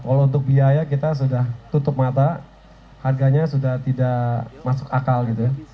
kalau untuk biaya kita sudah tutup mata harganya sudah tidak masuk akal gitu ya